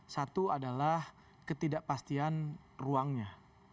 satu adalah ketidakpastian ruangnya